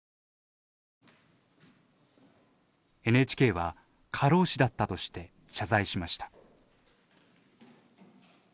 ＮＨＫは過労死だったとして謝罪しました。